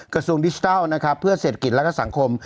กระทรวงดิจิทัลนะครับเพื่อเศรษฐกิจและก็สังคม